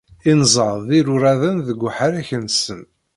Inzaḍ d iruraden deg uḥerrek-nsen.